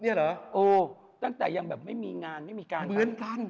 นี่เหรอโอ๊ยตั้งแต่ยังแบบไม่มีงานไม่มีการการ